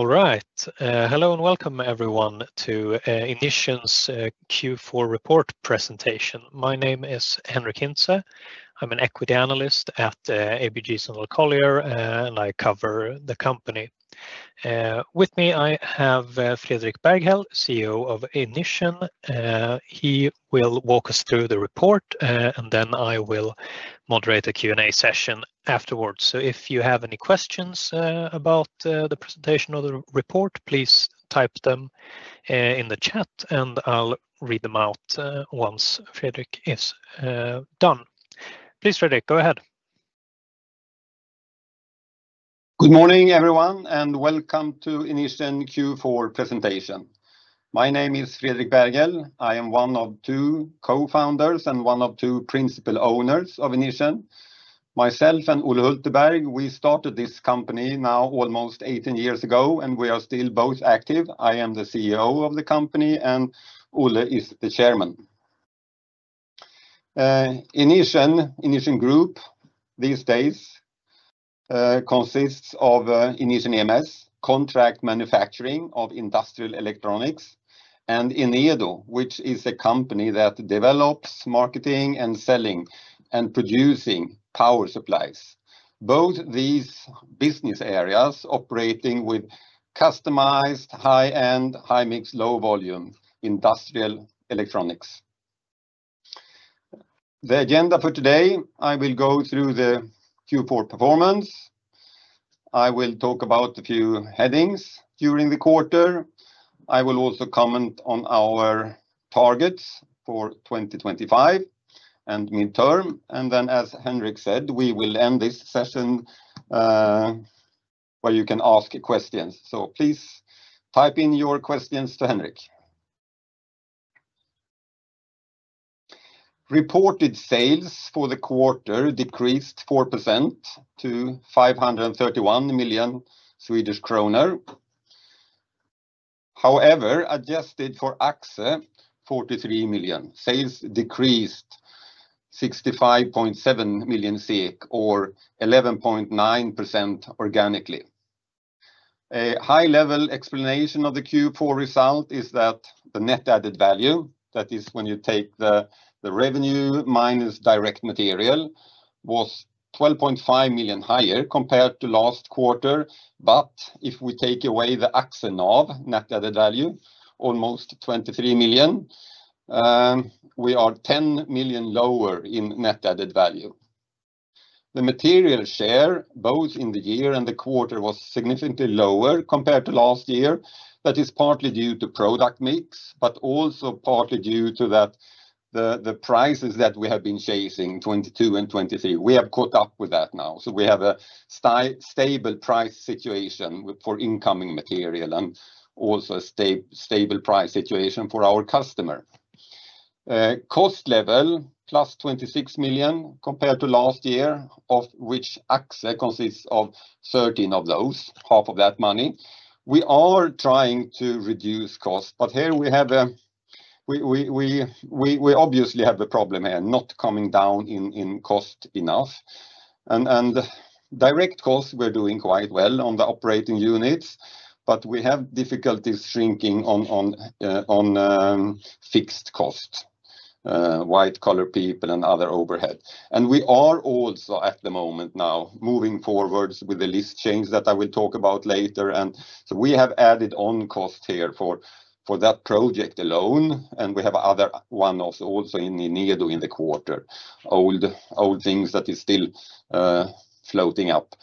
All right, hello and welcome everyone to Inission's Q4 report presentation. My name is Henric Hintze. I'm an Equity Analyst at ABG Sundal Collier, and I cover the company. With me I have Fredrik Berghel, CEO of Inission. He will walk us through the report, and I will moderate a Q&A session afterwards. If you have any questions about the presentation or the report, please type them in the chat, and I'll read them out once Fredrik is done. Please, Fredrik, go ahead. Good morning everyone, and welcome to Inission Q4 presentation. My name is Fredrik Berghel. I am one of two co-founders and one of two principal owners of Inission. Myself and Olle Hulteberg, we started this company now almost 18 years ago, and we are still both active. I am the CEO of the company, and Olle is the chairman. Inission Group these days consists of Inission EMS, contract manufacturing of industrial electronics, and Enedo, which is a company that develops, marketing and selling and producing power supplies. Both these business areas operate with customized high-end, high-mix, low-volume industrial electronics. The agenda for today: I will go through the Q4 performance. I will talk about a few headings during the quarter. I will also comment on our targets for 2025 and midterm. As Henric said, we will end this session where you can ask questions. Please type in your questions to Henric. Reported sales for the quarter decreased 4% to SEK 531 million. However, adjusted for AxxE, 43 million, sales decreased 65.7 million SEK, or 11.9% organically. A high-level explanation of the Q4 result is that the net added value, that is when you take the revenue minus direct material, was 12.5 million higher compared to last quarter. If we take away the AxxE net added value, almost 23 million, we are 10 million lower in net added value. The material share, both in the year and the quarter, was significantly lower compared to last year. That is partly due to product mix, but also partly due to the prices that we have been chasing in 2022 and 2023. We have caught up with that now. We have a stable price situation for incoming material and also a stable price situation for our customer. Cost level, +26 million compared to last year, of which Axxe consists of 13 million, half of that money. We are trying to reduce costs, but here we obviously have a problem here, not coming down in cost enough. Direct costs, we're doing quite well on the operating units, but we have difficulty shrinking on fixed costs, white-collar people and other overhead. We are also at the moment now moving forward with the list change that I will talk about later. We have added on cost here for that project alone, and we have another one also in Enedo in the quarter, old things that are still floating up.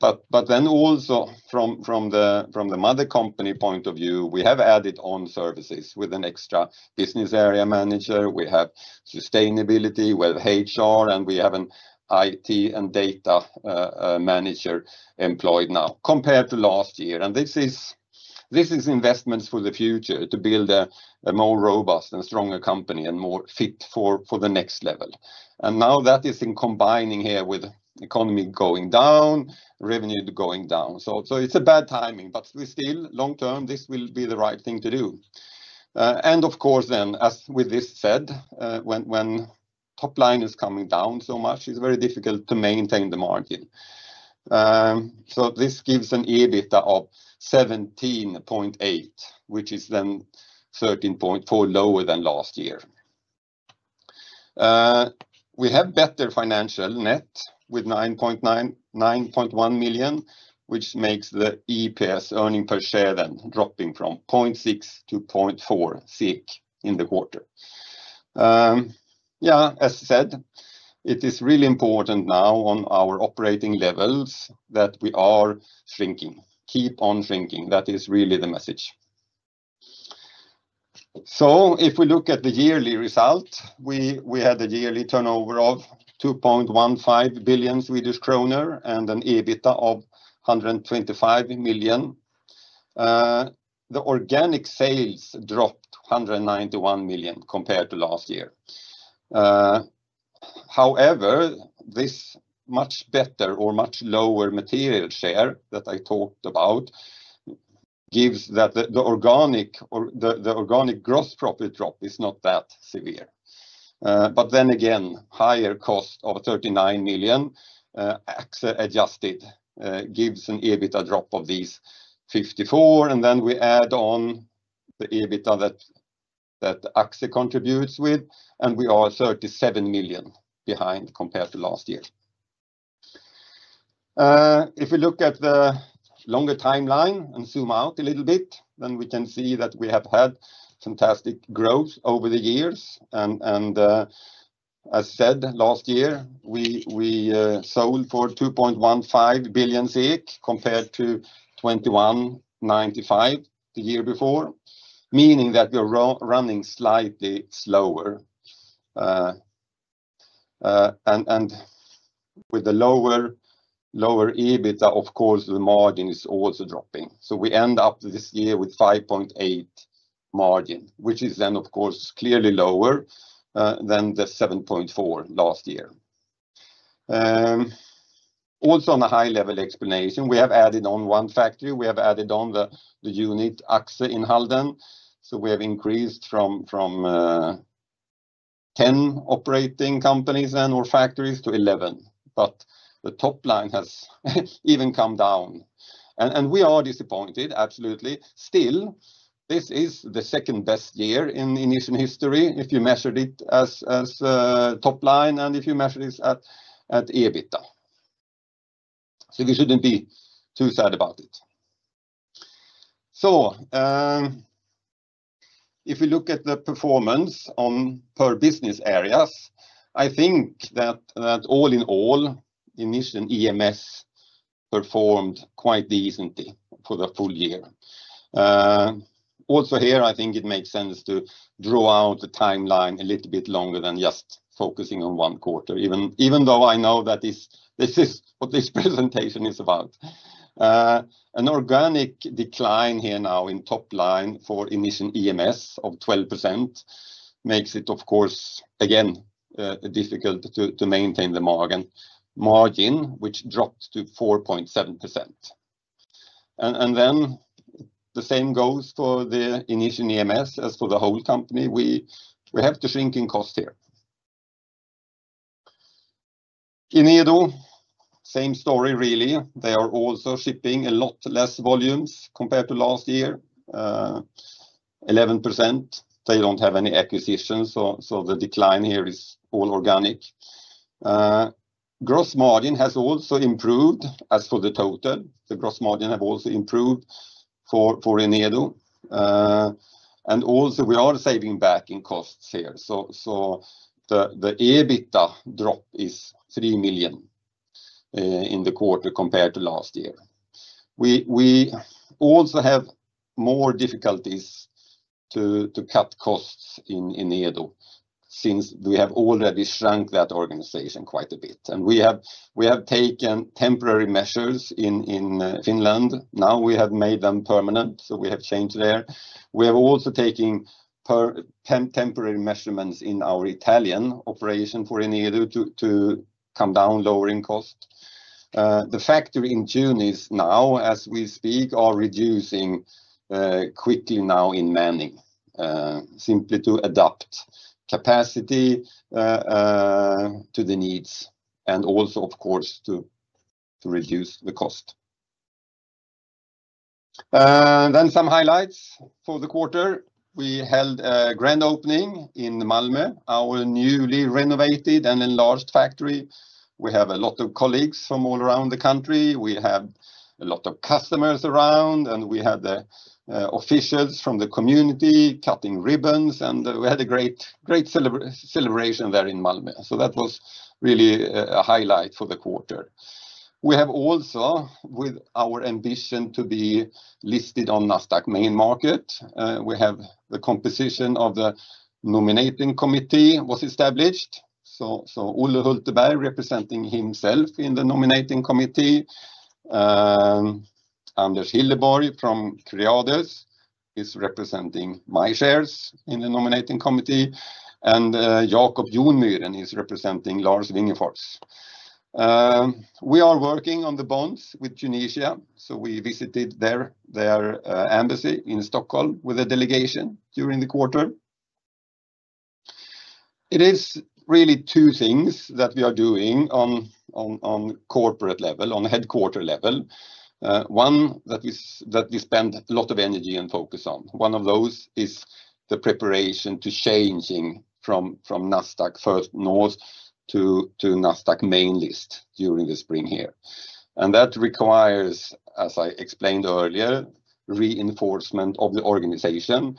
From the mother company point of view, we have added on services with an extra business area manager. We have sustainability, we have HR, and we have an IT and data manager employed now compared to last year. This is investments for the future to build a more robust and stronger company and more fit for the next level. That is in combination here with economy going down, revenue going down. It is bad timing, but still long term, this will be the right thing to do. Of course, as with this said, when top line is coming down so much, it is very difficult to maintain the margin. This gives an EBITDA of 17.8 million, which is 13.4 million lower than last year. We have better financial net with 9.1 million, which makes the EPS, earning per share, then dropping from 0.6 to 0.4 in the quarter. Yeah, as I said, it is really important now on our operating levels that we are shrinking, keep on shrinking. That is really the message. If we look at the yearly result, we had a yearly turnover of 2.15 billion Swedish kronor and an EBITDA of 125 million. The organic sales dropped 191 million compared to last year. However, this much better or much lower material share that I talked about gives that the organic gross profit drop is not that severe. Again, higher cost of 39 million, AxxE adjusted, gives an EBITDA drop of these 54, and then we add on the EBITDA that AxxE contributes with, and we are 37 million behind compared to last year. If we look at the longer timeline and zoom out a little bit, we can see that we have had fantastic growth over the years. As I said, last year, we sold for 2.15 billion compared to 2.195 billion the year before, meaning that we are running slightly slower. With the lower EBITDA, of course, the margin is also dropping. We end up this year with a 5.8% margin, which is then, of course, clearly lower than the 7.4% last year. Also, on a high-level explanation, we have added on one factory. We have added on the unit AxxE in Halden. We have increased from 10 operating companies or factories to 11, but the top line has even come down. We are disappointed, absolutely. Still, this is the second best year in Inission history if you measured it as top line and if you measured it at EBITDA. We shouldn't be too sad about it. If we look at the performance per business areas, I think that all in all, Inission EMS performed quite decently for the full year. Also here, I think it makes sense to draw out the timeline a little bit longer than just focusing on one quarter, even though I know that this is what this presentation is about. An organic decline here now in top line for Inission EMS of 12% makes it, of course, again, difficult to maintain the margin, which dropped to 4.7%. The same goes for the Inission EMS as for the whole company. We have the shrinking cost here. Enedo, same story really. They are also shipping a lot less volumes compared to last year, 11%. They do not have any acquisition, so the decline here is all organic. Gross margin has also improved as for the total. The gross margin has also improved for Enedo. We are saving back in costs here. The EBITDA drop is 3 million in the quarter compared to last year. We also have more difficulties to cut costs in Enedo since we have already shrunk that organization quite a bit. We have taken temporary measures in Finland. Now we have made them permanent, so we have changed there. We have also taken temporary measures in our Italian operation for Enedo to come down lower in cost. The factory in Tunis now, as we speak, are reducing quickly now in manning, simply to adapt capacity to the needs and also, of course, to reduce the cost. Some highlights for the quarter. We held a grand opening in Malmö, our newly renovated and enlarged factory. We have a lot of colleagues from all around the country. We have a lot of customers around, and we had the officials from the community cutting ribbons, and we had a great celebration there in Malmö. That was really a highlight for the quarter. We have also, with our ambition to be listed on Nasdaq Main Market, the composition of the nominating committee was established. Olle Hulteberg representing himself in the nominating committee. Anders Hillerborg from Creades is representing my shares in the nominating committee, and Jacob Jonmyren is representing Lars Wingefors. We are working on the bonds with Tunisia, so we visited their embassy in Stockholm with a delegation during the quarter. It is really two things that we are doing on corporate level, on headquarter level. One that we spend a lot of energy and focus on. One of those is the preparation to changing from Nasdaq First North to Nasdaq main list during the spring here. That requires, as I explained earlier, reinforcement of the organization.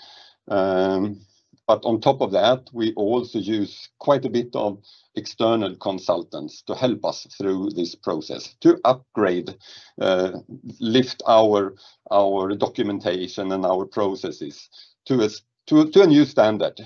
On top of that, we also use quite a bit of external consultants to help us through this process to upgrade, lift our documentation and our processes to a new standard.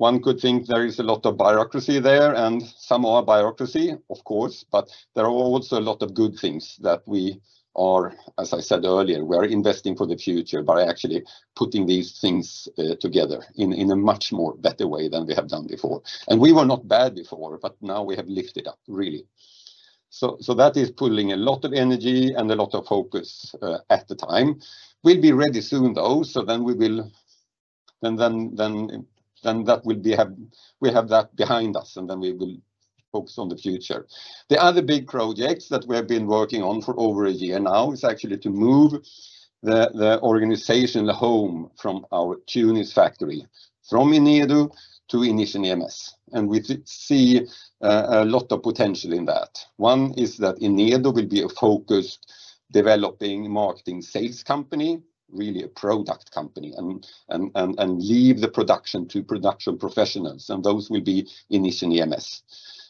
One could think there is a lot of bureaucracy there, and some are bureaucracy, of course, but there are also a lot of good things that we are, as I said earlier, we are investing for the future by actually putting these things together in a much better way than we have done before. We were not bad before, but now we have lifted up really. That is pulling a lot of energy and a lot of focus at the time. We will be ready soon, though, so that will be, we have that behind us, and then we will focus on the future. The other big projects that we have been working on for over a year now is actually to move the organization home from our Tunis factory, from Enedo to Inission EMS. We see a lot of potential in that. One is that Enedo will be a focused developing, marketing, sales company, really a product company, and leave the production to production professionals, and those will be Inission EMS.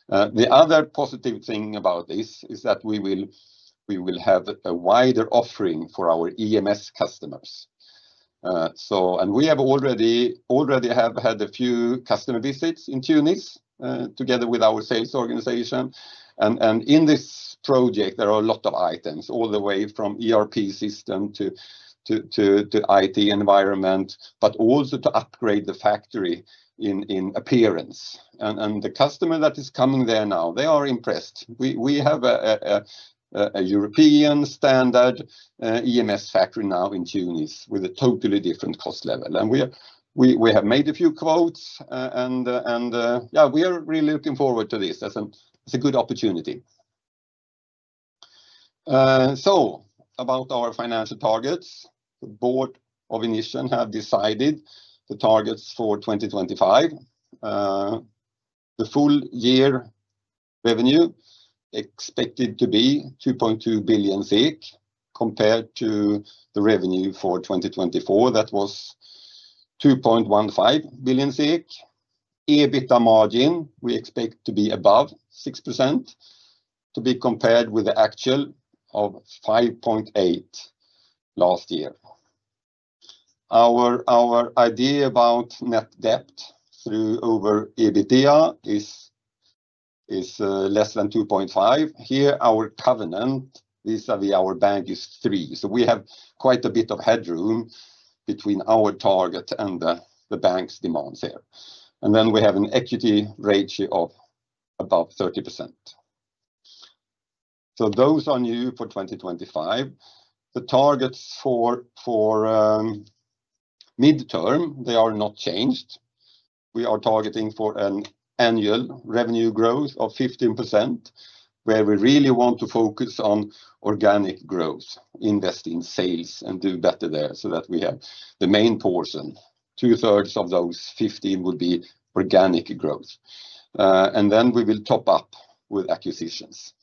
The other positive thing about this is that we will have a wider offering for our EMS customers. We have already had a few customer visits in Tunis together with our sales organization. In this project, there are a lot of items all the way from ERP system to IT environment, but also to upgrade the factory in appearance. The customer that is coming there now, they are impressed. We have a European standard EMS factory now in Tunis with a totally different cost level. We have made a few quotes, and yeah, we are really looking forward to this. It's a good opportunity. About our financial targets, the Board of Inission has decided the targets for 2025. The full year revenue expected to be 2.2 billion compared to the revenue for 2024 that was 2.15 billion SEK. EBITDA margin, we expect to be above 6% to be compared with the actual of 5.8% last year. Our idea about net debt over EBITDA is less than 2.5. Here, our covenant vis-à-vis our bank is 3. We have quite a bit of headroom between our target and the bank's demands here. We have an equity ratio of about 30%. Those are new for 2025. The targets for midterm, they are not changed. We are targeting for an annual revenue growth of 15%, where we really want to focus on organic growth, invest in sales and do better there so that we have the main portion, two-thirds of those 15% would be organic growth. We will top up with acquisitions.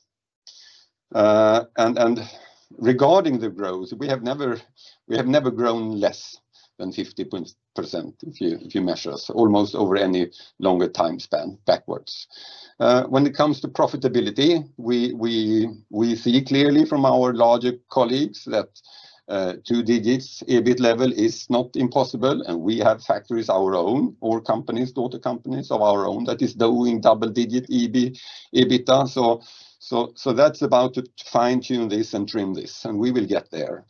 Regarding the growth, we have never grown less than 50% if you measure us almost over any longer time span backwards. When it comes to profitability, we see clearly from our larger colleagues that two digits EBIT level is not impossible, and we have factories our own or companies, daughter companies of our own that is doing double digit EBITDA. That is about to fine-tune this and trim this, and we will get there.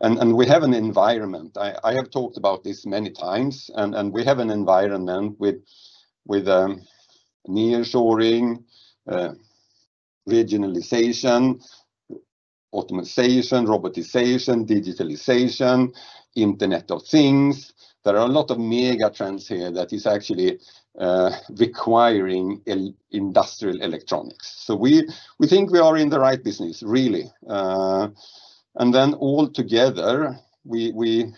I have talked about this many times, and we have an environment with nearshoring, regionalization, automation, robotization, digitalization, Internet of Things. There are a lot of mega trends here that is actually requiring industrial electronics. We think we are in the right business, really. All together, we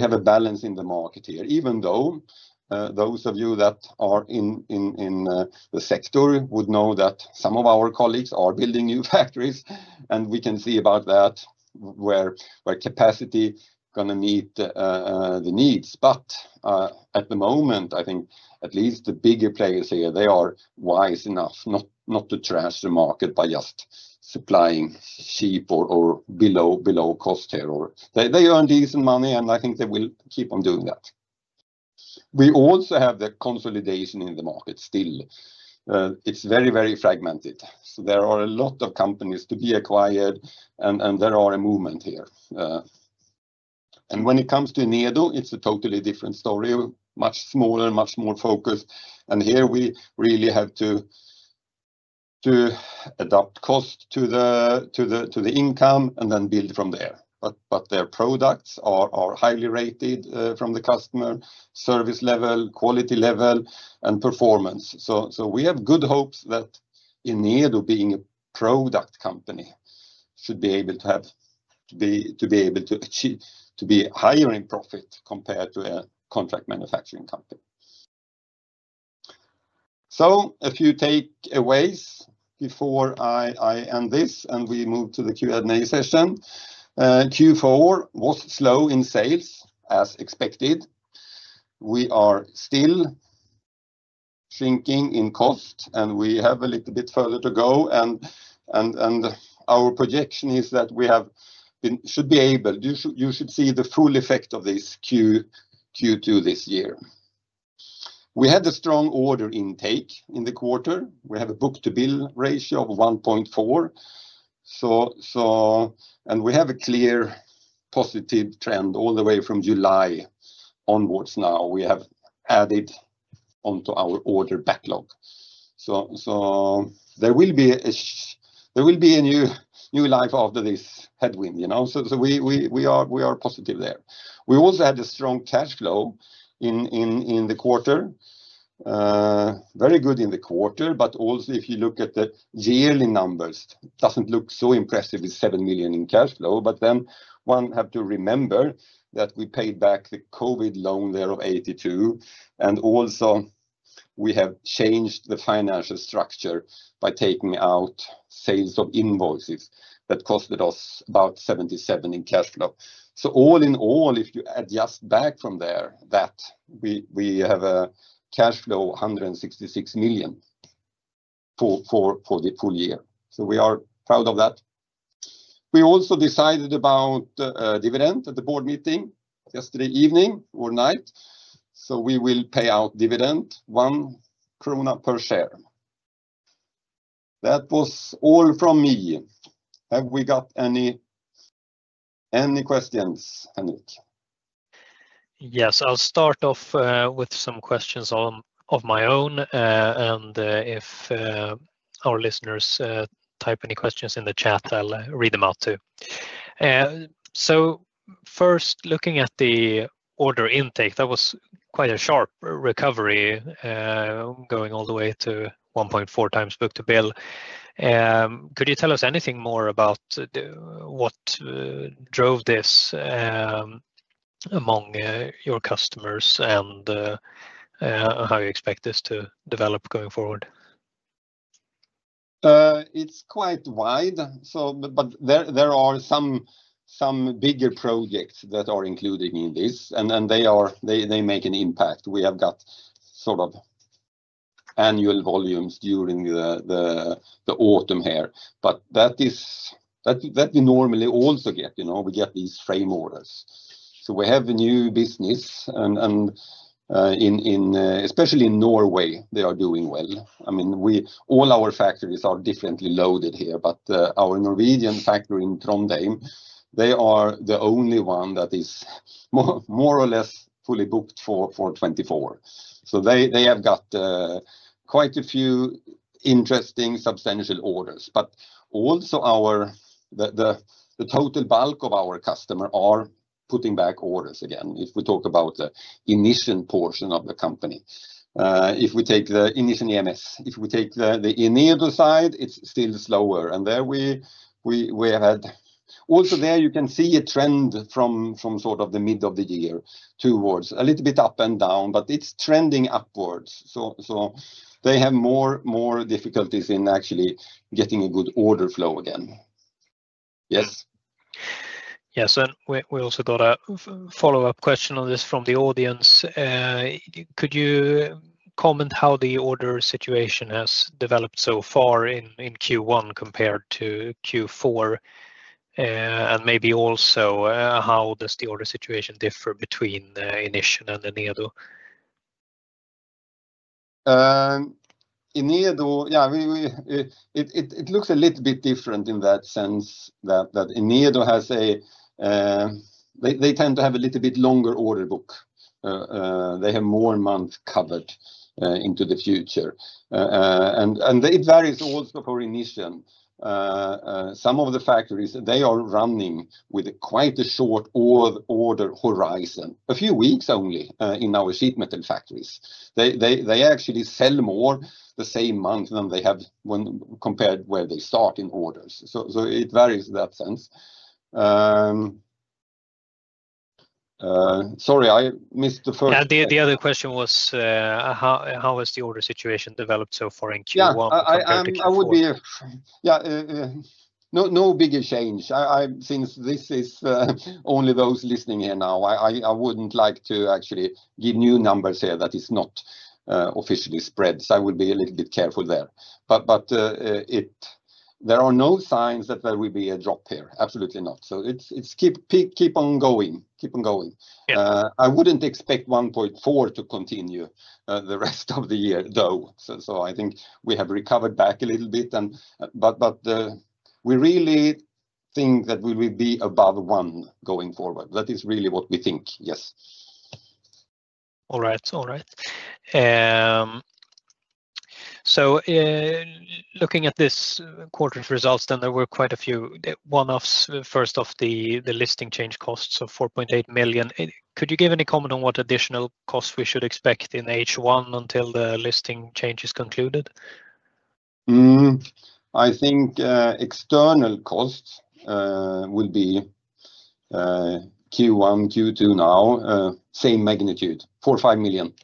have a balance in the market here, even though those of you that are in the sector would know that some of our colleagues are building new factories, and we can see about that where capacity is going to meet the needs. At the moment, I think at least the bigger players here, they are wise enough not to trash the market by just supplying cheap or below cost here. They earn decent money, and I think they will keep on doing that. We also have the consolidation in the market still. It is very, very fragmented. There are a lot of companies to be acquired, and there are a movement here. When it comes to Enedo, it's a totally different story, much smaller, much more focused. Here we really have to adapt cost to the income and then build from there. Their products are highly rated from the customer, service level, quality level, and performance. We have good hopes that Enedo, being a product company, should be able to be higher in profit compared to a contract manufacturing company. A few takeaways before I end this, and we move to the Q&A session. Q4 was slow in sales, as expected. We are still shrinking in cost, and we have a little bit further to go. Our projection is that we should be able to see the full effect of this Q2 this year. We had a strong order intake in the quarter. We have a book-to-bill ratio of 1.4. We have a clear positive trend all the way from July onwards now. We have added onto our order backlog. There will be a new life after this headwind. We are positive there. We also had a strong cash flow in the quarter. Very good in the quarter, but also if you look at the yearly numbers, it does not look so impressive with 7 million in cash flow. One has to remember that we paid back the COVID loan there of 82 million. We have also changed the financial structure by taking out sales of invoices that cost us about 77 million in cash flow. All in all, if you adjust back from there, we have a cash flow of 166 million for the full year. We are proud of that. We also decided about dividend at the board meeting yesterday evening or night. We will pay out dividend, 1 krona per share. That was all from me. Have we got any questions, Henric? Yes, I'll start off with some questions of my own. If our listeners type any questions in the chat, I'll read them out too. First, looking at the order intake, that was quite a sharp recovery going all the way to 1.4 times book-to-bill. Could you tell us anything more about what drove this among your customers and how you expect this to develop going forward? It's quite wide, but there are some bigger projects that are included in this, and they make an impact. We have got sort of annual volumes during the autumn here, but that we normally also get. We get these frame orders. We have a new business, and especially in Norway, they are doing well. I mean, all our factories are differently loaded here, but our Norwegian factory in Trondheim, they are the only one that is more or less fully booked for 2024. They have got quite a few interesting substantial orders. Also, the total bulk of our customers are putting back orders again. If we talk about the Inission portion of the company, if we take the Inission EMS, if we take the Enedo side, it is still slower. There you can see a trend from sort of the middle of the year towards a little bit up and down, but it is trending upwards. They have more difficulties in actually getting a good order flow again. Yes? Yes. We also got a follow-up question on this from the audience. Could you comment on how the order situation has developed so far in Q1 compared to Q4? Maybe also how does the order situation differ between Inission and Enedo? Enedo, yeah, it looks a little bit different in that sense that Enedo has a, they tend to have a little bit longer order book. They have more months covered into the future. It varies also for Inission. Some of the factories, they are running with quite a short order horizon, a few weeks only in our sheet metal factories. They actually sell more the same month than they have when compared where they start in orders. It varies in that sense. Sorry, I missed the first. The other question was, how has the order situation developed so far in Q1? Yeah, I would be, yeah, no bigger change. Since this is only those listening here now, I would not like to actually give new numbers here that are not officially spread. I would be a little bit careful there. There are no signs that there will be a drop here. Absolutely not. Keep on going. Keep on going. I would not expect 1.4 to continue the rest of the year, though. I think we have recovered back a little bit. We really think that we will be above one going forward. That is really what we think. Yes. All right. All right. Looking at this quarter's results, there were quite a few one-offs, first off the listing change costs of 4.8 million. Could you give any comment on what additional costs we should expect in H1 until the listing change is concluded? I think external costs will be Q1, Q2 now, same magnitude, 4.5 million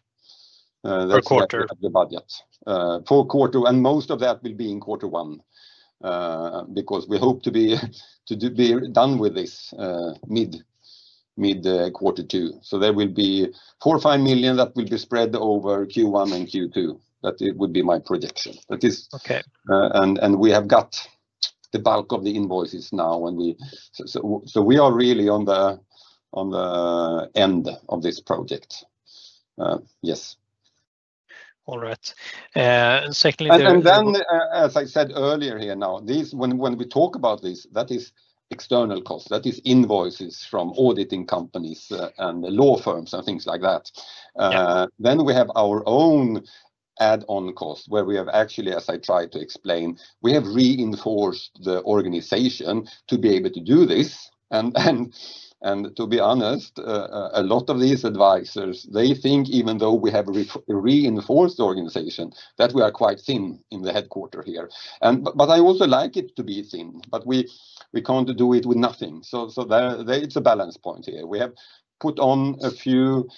per quarter. That is the budget per quarter. Most of that will be in quarter one because we hope to be done with this mid-quarter two. There will be 4.5 million that will be spread over Q1 and Q2. That would be my projection. We have got the bulk of the invoices now, so we are really on the end of this project. Yes. All right. Secondly, as I said earlier here now, when we talk about this, that is external costs. That is invoices from auditing companies and law firms and things like that. We have our own add-on costs where we have actually, as I tried to explain, reinforced the organization to be able to do this. To be honest, a lot of these advisors, they think even though we have reinforced the organization, that we are quite thin in the headquarter here. I also like it to be thin, but we can't do it with nothing. It is a balance point here. We have put on a few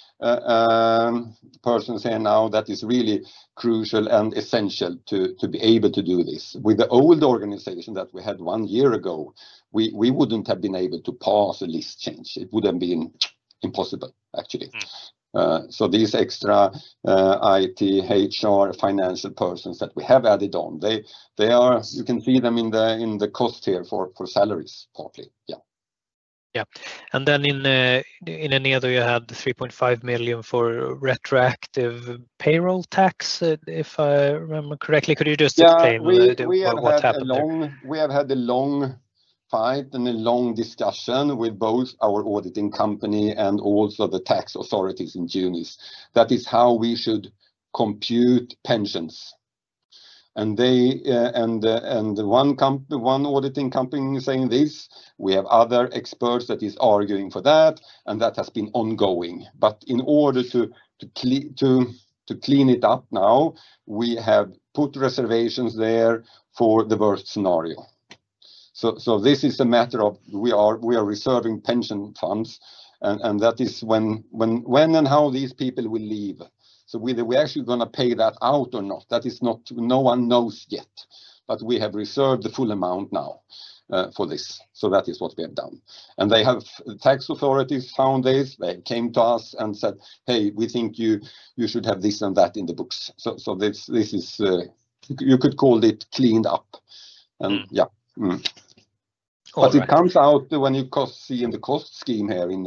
persons here now that is really crucial and essential to be able to do this. With the old organization that we had one year ago, we wouldn't have been able to pass a list change. It would have been impossible, actually. These extra IT, HR, financial persons that we have added on, you can see them in the cost here for salaries partly. Yeah. Yeah. In Enedo, you had 3.5 million for retroactive payroll tax, if I remember correctly. Could you just explain what happened? Yeah. We have had a long fight and a long discussion with both our auditing company and also the tax authorities in June. That is how we should compute pensions. One auditing company is saying this. We have other experts that are arguing for that, and that has been ongoing. In order to clean it up now, we have put reservations there for the worst scenario. This is a matter of we are reserving pension funds, and that is when and how these people will leave. Whether we are actually going to pay that out or not, no one knows yet. We have reserved the full amount now for this. That is what we have done. The tax authorities found this. They came to us and said, "Hey, we think you should have this and that in the books." You could call it cleaned up. Yeah. It comes out when you see in the cost scheme here in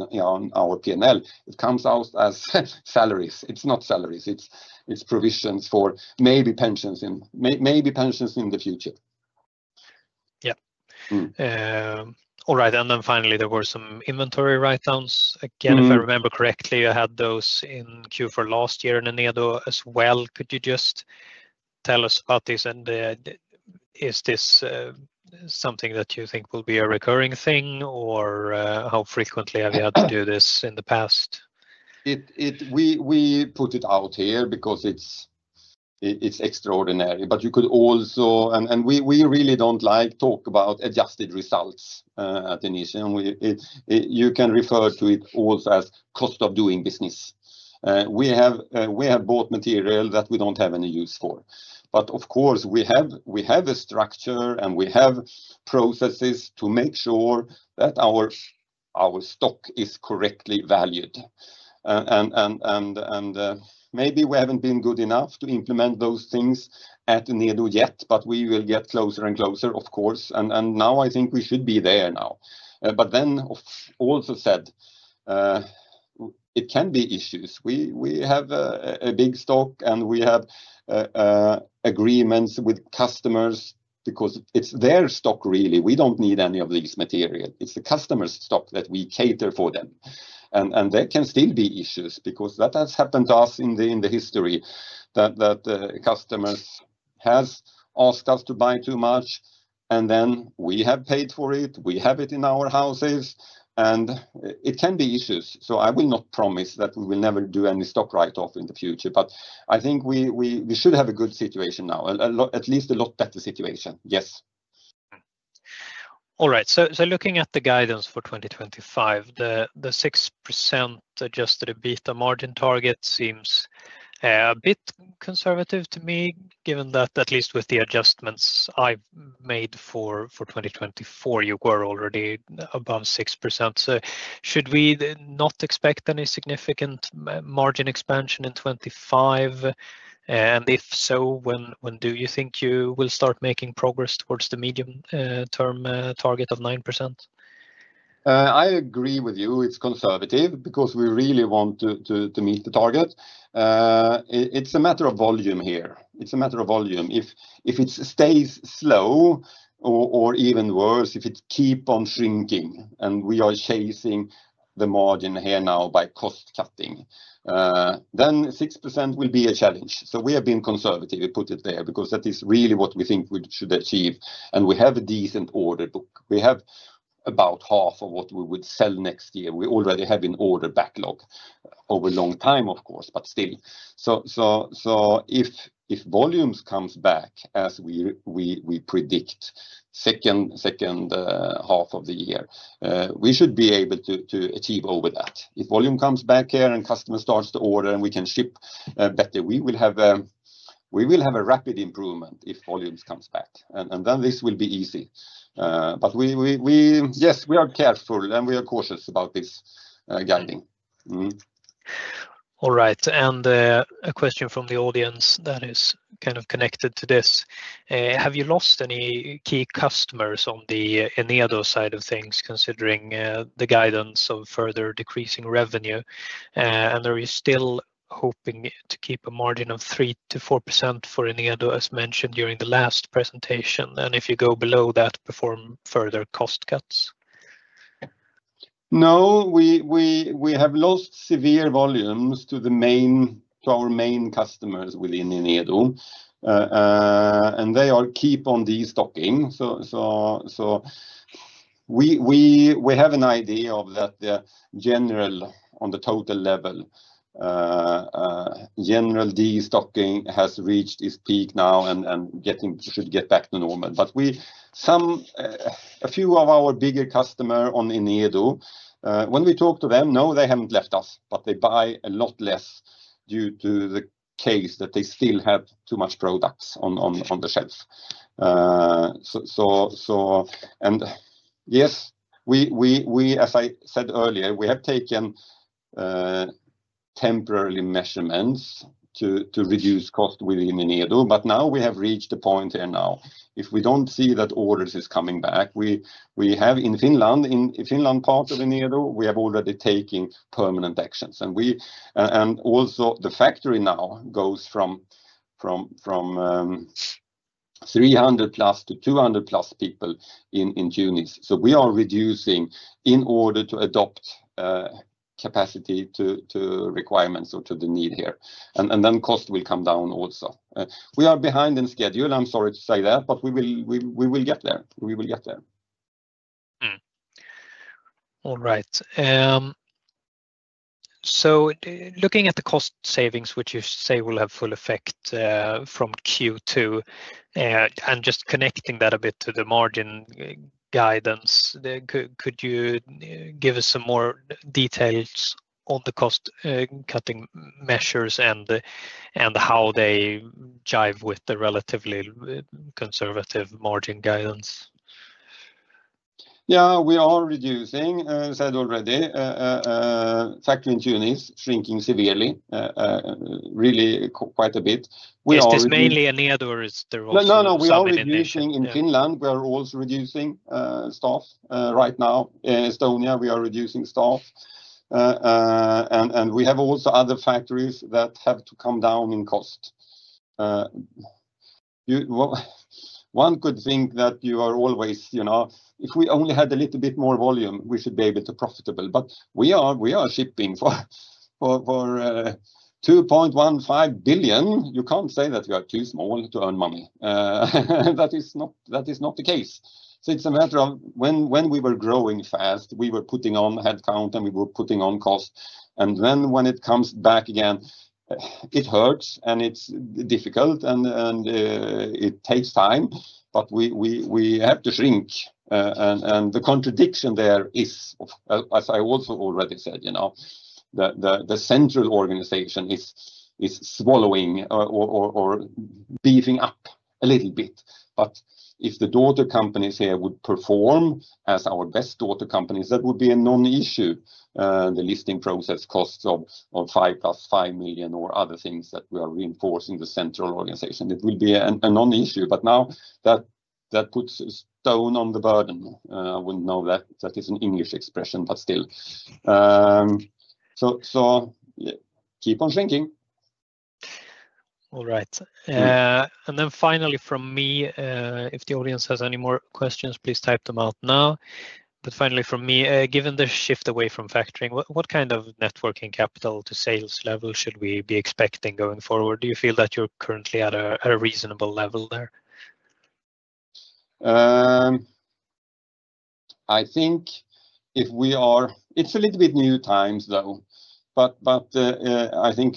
our P&L, it comes out as salaries. It is not salaries. It is provisions for maybe pensions in the future. Yeah. All right. Finally, there were some inventory write-downs. Again, if I remember correctly, you had those in Q4 last year in Enedo as well. Could you just tell us about this? Is this something that you think will be a recurring thing, or how frequently have you had to do this in the past? We put it out here because it is extraordinary. You could also—and we really do not like to talk about adjusted results at Inission. You can refer to it also as cost of doing business. We have bought material that we do not have any use for. Of course, we have a structure, and we have processes to make sure that our stock is correctly valued. Maybe we have not been good enough to implement those things at Enedo yet, but we will get closer and closer, of course. I think we should be there now. It can be issues. We have a big stock, and we have agreements with customers because it is their stock, really. We do not need any of this material. It is the customer's stock that we cater for them. There can still be issues because that has happened to us in the history that customers have asked us to buy too much, and then we have paid for it. We have it in our houses, and it can be issues. I will not promise that we will never do any stock write-off in the future. I think we should have a good situation now, at least a lot better situation. Yes. All right. Looking at the guidance for 2025, the 6% Adjusted EBITDA margin target seems a bit conservative to me, given that at least with the adjustments I have made for 2024, you were already above 6%. Should we not expect any significant margin expansion in 2025? If so, when do you think you will start making progress towards the medium-term target of 9%? I agree with you. It is conservative because we really want to meet the target. It is a matter of volume here. It is a matter of volume. If it stays slow or even worse, if it keeps on shrinking and we are chasing the margin here now by cost cutting, then 6% will be a challenge. We have been conservative. We put it there because that is really what we think we should achieve. We have a decent order book. We have about half of what we would sell next year. We already have an order backlog over a long time, of course, but still. If volume comes back as we predict second half of the year, we should be able to achieve over that. If volume comes back here and customers start to order and we can ship better, we will have a rapid improvement if volume comes back. This will be easy. Yes, we are careful and we are cautious about this guiding. All right. A question from the audience that is kind of connected to this. Have you lost any key customers on the Enedo side of things considering the guidance of further decreasing revenue? Are you still hoping to keep a margin of 3%-4% for Enedo, as mentioned during the last presentation? If you go below that, perform further cost cuts? No, we have lost severe volumes to our main customers within Enedo. They are keep on destocking. We have an idea of that on the total level, general destocking has reached its peak now and should get back to normal. A few of our bigger customers on Enedo, when we talk to them, no, they have not left us, but they buy a lot less due to the case that they still have too much products on the shelf. Yes, as I said earlier, we have taken temporary measurements to reduce cost within Enedo. Now we have reached a point here. If we do not see that orders are coming back, in Finland, in the Finland part of Enedo, we have already taken permanent actions. Also, the factory now goes from 300+ to 200+ people in Tunis. We are reducing in order to adapt capacity to requirements or to the need here. Cost will come down also. We are behind in schedule. I am sorry to say that, but we will get there. We will get there. All right. Looking at the cost savings, which you say will have full effect from Q2, and just connecting that a bit to the margin guidance, could you give us some more details on the cost-cutting measures and how they jive with the relatively conservative margin guidance? Yeah, we are reducing, as I said already. Factory in Tunis is shrinking severely, really quite a bit. Yes, it's mainly Enedo or is there also Finland? No, no, no. We are reducing in Finland. We are also reducing staff right now. In Estonia, we are reducing staff. We have also other factories that have to come down in cost. One could think that you are always, if we only had a little bit more volume, we should be able to be profitable. We are shipping for 2.15 billion. You can't say that we are too small to earn money. That is not the case. It is a matter of when we were growing fast, we were putting on headcount and we were putting on cost. When it comes back again, it hurts and it is difficult and it takes time. We have to shrink. The contradiction there is, as I also already said, the central organization is swallowing or beefing up a little bit. If the daughter companies here would perform as our best daughter companies, that would be a non-issue. The listing process costs of 5 million + 5 million or other things that we are reinforcing the central organization. It will be a non-issue. Now that puts a stone on the burden. I would not know that. That is an English expression, but still. Keep on shrinking. All right. Finally from me, if the audience has any more questions, please type them out now. Finally from me, given the shift away from factoring, what kind of net working capital to sales level should we be expecting going forward? Do you feel that you're currently at a reasonable level there? I think if we are, it's a little bit new times though. I think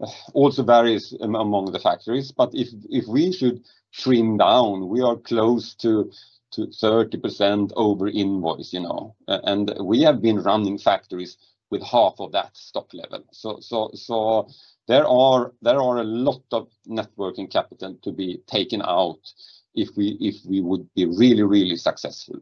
it also varies among the factories. If we should trim down, we are close to 30% over invoice. We have been running factories with half of that stock level. There is a lot of net working capital to be taken out if we would be really, really successful.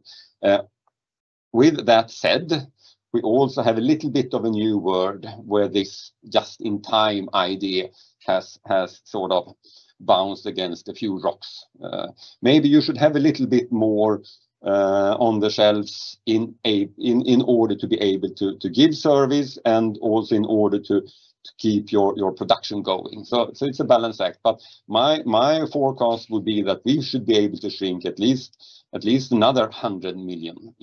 With that said, we also have a little bit of a new world where this just-in-time idea has sort of bounced against a few rocks. Maybe you should have a little bit more on the shelves in order to be able to give service and also in order to keep your production going. It is a balance act. My forecast would be that we should be able to shrink at least another 100 million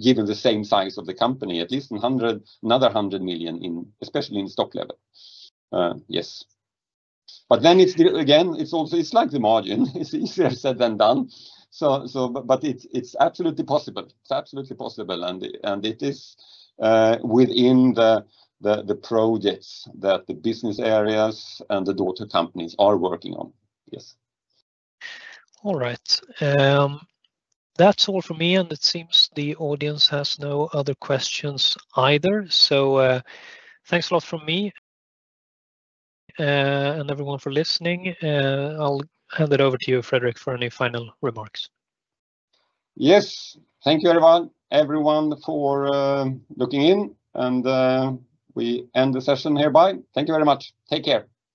given the same size of the company, at least another 100 million, especially in stock level. Yes. It is like the margin. It is easier said than done. It is absolutely possible. It is absolutely possible. It is within the projects that the business areas and the daughter companies are working on. Yes. All right. That is all for me. It seems the audience has no other questions either. Thanks a lot from me and everyone for listening. I will hand it over to you, Fredrik, for any final remarks. Yes. Thank you, everyone, for looking in. We end the session hereby. Thank you very much. Take care.